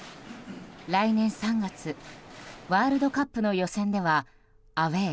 来年３月ワールドカップの予選ではアウェー